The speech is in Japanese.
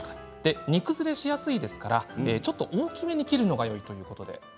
煮崩れしやすいですからちょっと大きめに切るのがいいということです。